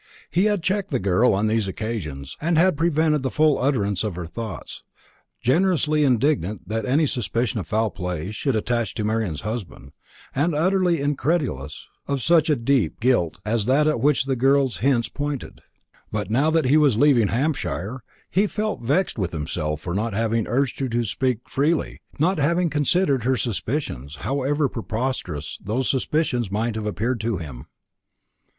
He had checked the girl on these occasions, and had prevented the full utterance of her thoughts, generously indignant that any suspicion of foul play should attach to Marian's husband, and utterly incredulous of such a depth of guilt as that at which the girl's hints pointed; but now that he was leaving Hampshire, he felt vexed with himself for not having urged her to speak freely not having considered her suspicions, however preposterous those suspicions might have appeared to him.